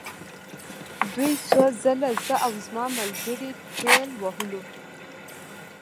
دوی څو ځله زه او زما ملګري ټېل وهلو